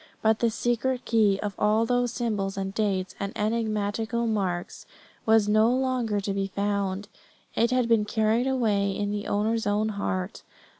But the secret key of all those symbols and dates and enigmatical marks was no longer to be found; it had been carried away in the owner's own heart.